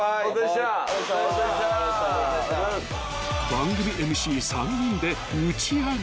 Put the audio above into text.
［番組ＭＣ３人で打ち上げ］